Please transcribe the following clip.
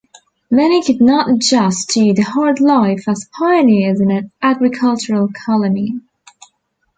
Many could not adjust to the hard life as pioneers in an agricultural colony.